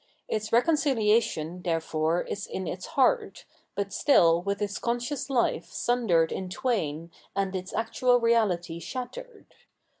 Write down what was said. Its reconciliation, therefore, is in its heart, but still with its conscious fife sundered in twain and its actual reality shattered.